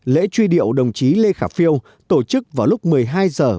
lễ truy điệu đồng chí lê khả phiêu tổ chức vào lúc một mươi hai h ba mươi